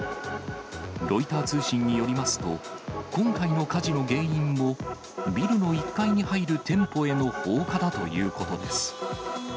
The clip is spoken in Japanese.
ロイター通信によりますと、今回の火事の原因も、ビルの１階に入る店舗への放火だということです。